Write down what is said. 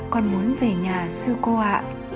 con muốn về nhà sư cô ạ